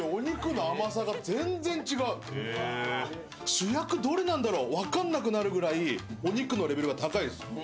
主役どれなんだろう、分かんなくなるぐらいお肉のレベルが高いです。